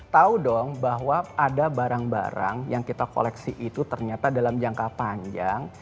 tahu dong bahwa ada barang barang yang kita koleksi itu ternyata dalam jangka panjang